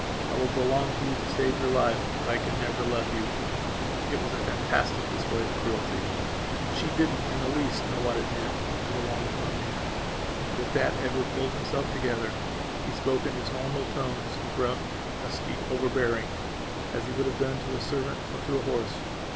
I will belong to you to save your life. But I can never love you." It was a fantastic display of cruelty. She didn't in the least know what it meantto belong to a man. But, at that Edward pulled himself together. He spoke in his normal tones; gruff, husky, overbearing, as he would have done to a servant or to a horse.